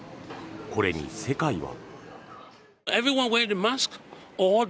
これに世界は。